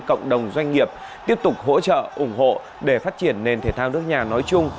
cộng đồng doanh nghiệp tiếp tục hỗ trợ ủng hộ để phát triển nền thể thao nước nhà nói chung